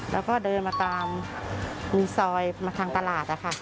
แล้วก็เดินมาตามมีซอยมาทางตลาดนะคะ